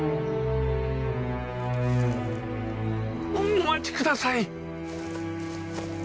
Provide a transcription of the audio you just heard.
お待ちください！